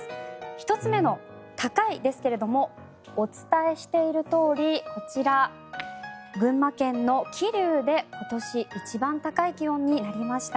１つ目の高いですけれどもお伝えしているとおりこちら、群馬県の桐生で今年一番高い気温になりました。